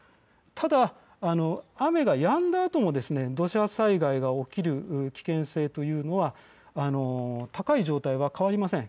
ただ、雨がやんだあとも土砂災害が起きる危険性というのは高い状態は変わりません。